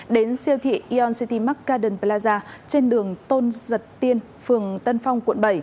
đến siêu thị eon city mark garden plaza trên đường tôn giật tiên phường tân phong quận bảy